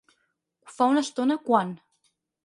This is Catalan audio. Fa una estona quan?